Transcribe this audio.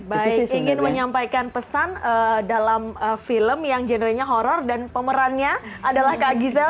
baik ingin menyampaikan pesan dalam film yang generalnya horror dan pemerannya adalah kak gisela